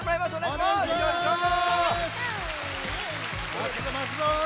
まわすぞまわすぞ。